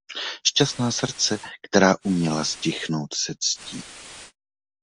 Šťastná srdce, která uměla ztichnout se ctí.